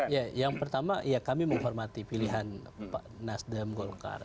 iya yang pertama kami menghormati pilihan pak nasdem golkar